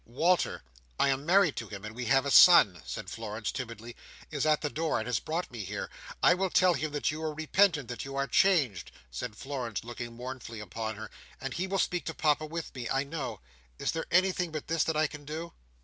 "Walter—I am married to him, and we have a son," said Florence, timidly—"is at the door, and has brought me here. I will tell him that you are repentant; that you are changed," said Florence, looking mournfully upon her; "and he will speak to Papa with me, I know. Is there anything but this that I can do?"